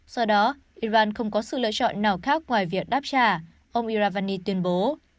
do đó iran không có sự lựa chọn nào khác ngoài việc đáp trả ông iravani tuyên bố